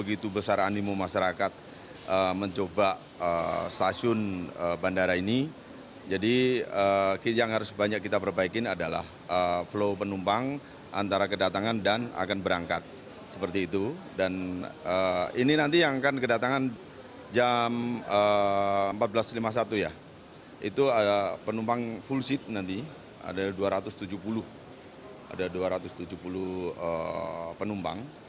ini nanti yang akan kedatangan jam empat belas lima puluh satu ya itu ada penumpang full seat nanti ada dua ratus tujuh puluh penumpang